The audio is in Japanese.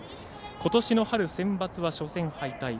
ことしの春センバツは初戦敗退。